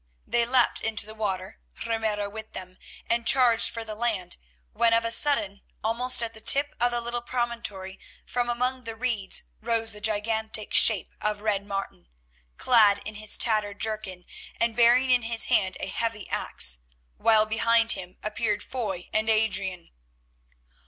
They leaped into the water, Ramiro with them, and charged for the land, when of a sudden, almost at the tip of the little promontory, from among the reeds rose the gigantic shape of Red Martin, clad in his tattered jerkin and bearing in his hand a heavy axe, while behind him appeared Foy and Adrian.